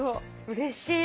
うれしい。